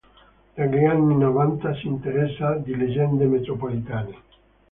Dagli anni novanta si interessa di leggende metropolitane.